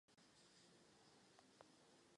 Uzavřené jsou též v zimním období.